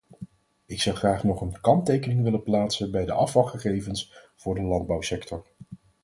Ik zou graag nog een kanttekening willen plaatsen bij de afvalgegevens voor de landbouwsector.